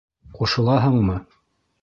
- Ҡушылаһыңмы?